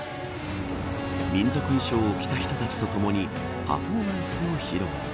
民族衣装を着た人たちとともにパフォーマンスを披露。